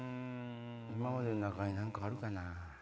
今までん中に何かあるかな？